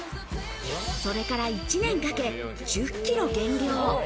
それから１年かけ１０キロ減量。